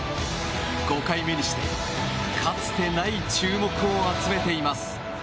５回目にしてかつてない注目を集めています。